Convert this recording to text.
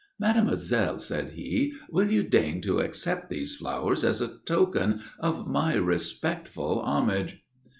"Mademoiselle," said he, "will you deign to accept these flowers as a token of my respectful homage?"